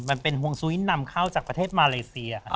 มันเป็นฮวงซุ้ยนำเข้าจากประเทศมาเลเซีย